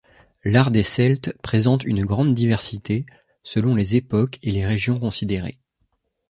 L'art des Celtes présente une grande diversité selon les époques et les régions considérées.